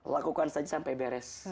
lakukan saja sampai beres